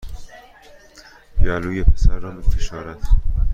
گلوی پسر را می فشارد